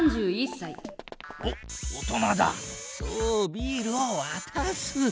ビールをわたす。